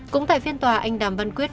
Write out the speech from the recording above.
cũng tại phiên tòa anh đàm văn quyết